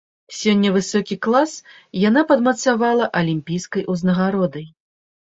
Сёння высокі клас яна падмацавала алімпійскай узнагародай.